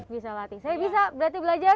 bisa latih saya bisa berarti belajar